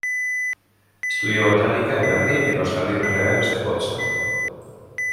Estudió botánica en Berlín y en los Jardines Reales en Potsdam.